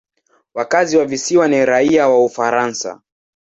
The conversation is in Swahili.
Wakazi wa visiwa ni raia wa Ufaransa.